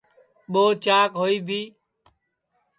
ٻو چاک ہوئی بھی